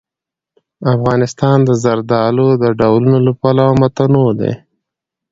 افغانستان د زردالو د ډولونو له پلوه متنوع دی.